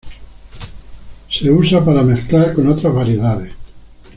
Se usa para mezclar con otras variedades.